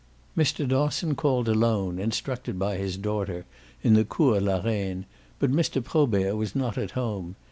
Mr. Dosson called alone, instructed by his daughter, in the Cours la Reine, but Mr. Probert was not at home.